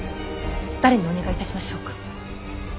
誰にお願いいたしましょうか。